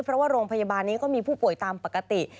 เพราะว่าโรงพยาบาลนี้ก็มีผู้ป่วยตามปกติ